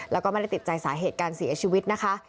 แล้วก็ไม่ได้ติดใจสาเหตุการเสียชีวิตนะคะ